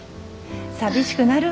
寂しくなるわ。